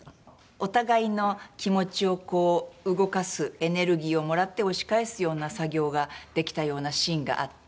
お互いの気持ちをこう動かすエネルギーをもらって押し返すような作業ができたようなシーンがあって。